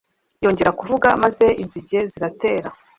yongera kuvuga, maze inzige ziratera